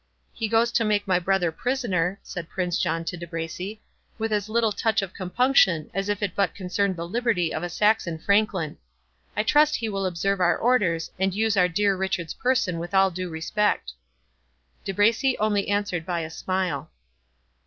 "He goes to make my brother prisoner," said Prince John to De Bracy, "with as little touch of compunction, as if it but concerned the liberty of a Saxon franklin. I trust he will observe our orders, and use our dear Richard's person with all due respect." De Bracy only answered by a smile.